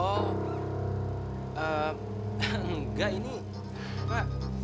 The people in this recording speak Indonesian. oh enggak ini pak